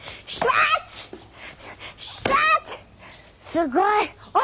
すごい！あ！